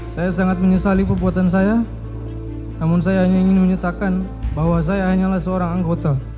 saya sangat menyesali perbuatan saya namun saya hanya ingin menyatakan bahwa saya hanyalah seorang anggota